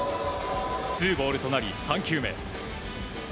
ツーボールとなり３球目。